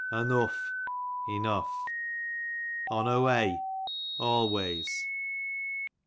Onough, enough. On o wey, always.